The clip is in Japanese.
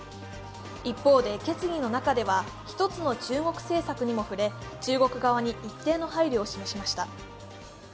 一方で、決議の中では、１つの中国政策にも触れ中国側に一定の配慮を示しました。